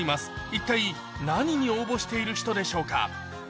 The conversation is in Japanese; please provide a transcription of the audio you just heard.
一体何に応募している人でしょうか？